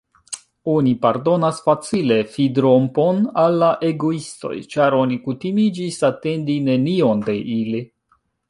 Oni pardonas facile fidrompon al la egoistoj, ĉar oni kutimiĝis atendi nenion de ili.